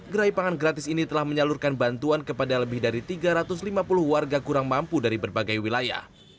gerai pangan gratis ini telah menyalurkan bantuan kepada lebih dari tiga ratus lima puluh warga kurang mampu dari berbagai wilayah